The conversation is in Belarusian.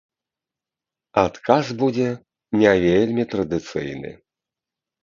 Адказ будзе не вельмі традыцыйны.